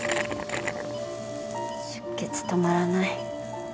出血止まらない。